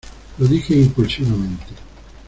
lo dije impulsivamente